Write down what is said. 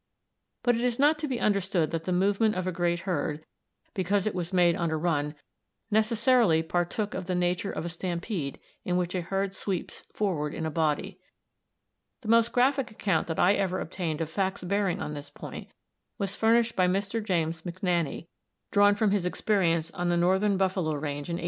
But it is not to be understood that the movement of a great herd, because it was made on a run, necessarily partook of the nature of a stampede in which a herd sweeps forward in a body. The most graphic account that I ever obtained of facts bearing on this point was furnished by Mr. James McNaney, drawn from his experience on the northern buffalo range in 1882.